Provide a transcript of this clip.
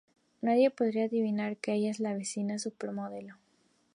Nadie podría adivinar que ella es la vecina supermodelo.